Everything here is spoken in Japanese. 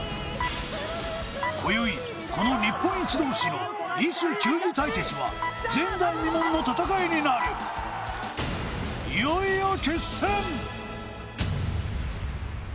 今宵この日本一同士の異種球技対決は前代未聞の戦いになるいよいよ決戦！